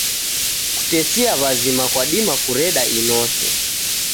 Kutesia w'azima kwadima kureda inose.